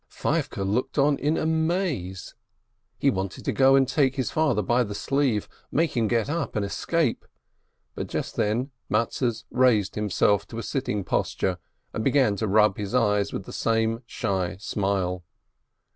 Feivke looked on in amaze. He wanted to go and take his father by the sleeve, make him get up and escape, but just then Mattes raised himself to a sitting posture, and began to rub his eyes with the same shy smile.